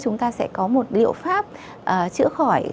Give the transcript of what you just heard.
chúng ta sẽ có một liệu pháp chữa khỏi